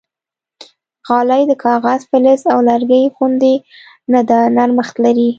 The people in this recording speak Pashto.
غالۍ د کاغذ، فلز او لرګي غوندې نه ده، نرمښت لري.